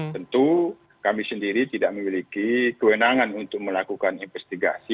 tentu kami sendiri tidak memiliki kewenangan untuk melakukan investigasi